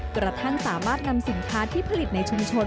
กระทั่งสามารถนำสินค้าที่ผลิตในชุมชน